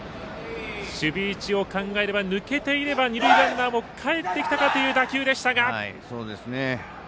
守備位置を考えれば抜けていれば二塁ランナーもかえっていたかという打球でしたが。